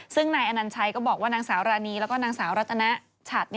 ซึ่งนายอนัญชัยก็บอกว่านางสาวรานีแล้วก็นางสาวรัตนชัด